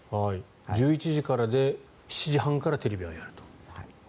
１１時からで７時半からテレビは、やると。